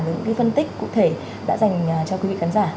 những cái phân tích cụ thể đã dành cho quý vị khán giả